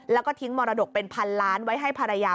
แล้วก็ทิ้งมรดกเป็นพันล้านไว้ให้ภรรยา